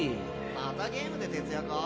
またゲームで徹夜か？